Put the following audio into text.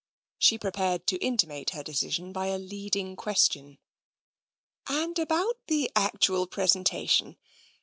She prepared to intimate her decision by a leading question. "And about the actual presentation?